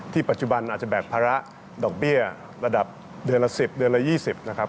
ปัจจุบันอาจจะแบกภาระดอกเบี้ยระดับเดือนละ๑๐เดือนละ๒๐นะครับ